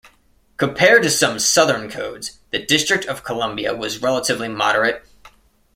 Compared to some southern codes, the District of Columbia was relatively moderate.